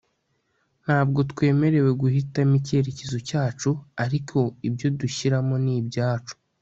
ntabwo twemerewe guhitamo icyerekezo cyacu. ariko ibyo dushyiramo ni ibyacu